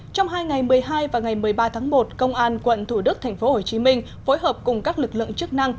trong hai ngày một mươi hai và ngày một mươi ba tháng một công an quận thủ đức tp hcm phối hợp cùng các lực lượng chức năng